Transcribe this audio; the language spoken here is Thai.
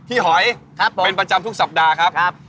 หอยเป็นประจำทุกสัปดาห์ครับ